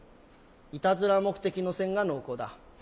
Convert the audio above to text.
いたずら目的の線が濃厚だ。